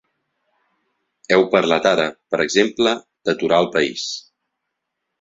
Heu parlat ara, per exemple, d’aturar el país.